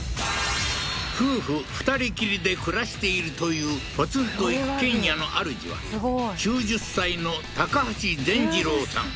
夫婦２人きりで暮らしているというポツンと一軒家のあるじは９０歳のタカハシゼンジロウさん